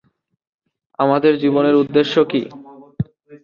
আমাদের জীবনের উদ্দেশ্য কী?'